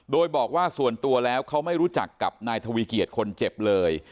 โดยบอกว่าส่วนตัวแล้วเขาไม่รู้จักกับนายทวีเกียจคนเจ็บเลย